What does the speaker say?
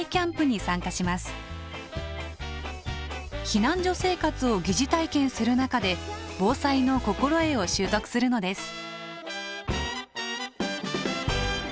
避難所生活を疑似体験する中で防災の心得を習得するのです。